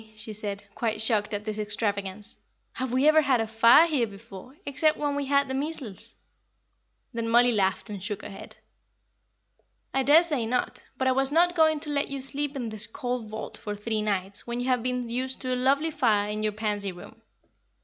she said, quite shocked at this extravagance, "have we ever had a fire here before, except when we had the measles?" Then Mollie laughed and shook her head. "I daresay not, but I was not going to let you sleep in this cold vault for three nights when you have been used to a lovely fire in your Pansy Room.